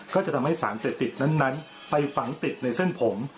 ก็จะทำให้สารเสพติดนั้นไปฝังติดในเส้นผม